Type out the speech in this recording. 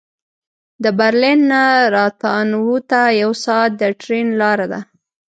د برلین نه راتناو ته یو ساعت د ټرېن لاره ده